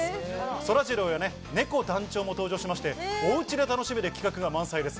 そらジローや、ねこ団長も登場しまして、おうちで楽しめる企画が満載です。